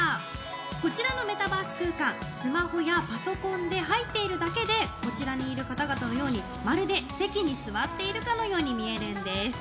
こちらのメタバース空間、スマホやパソコンで入っているだけでこちらにいる方々のようにまるで席に座っているかのように見えるんです。